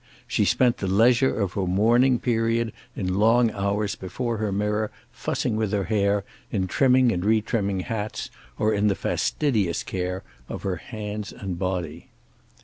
She spent the leisure of her mourning period in long hours before her mirror fussing with her hair, in trimming and retrimming hats, or in the fastidious care of her hands and body.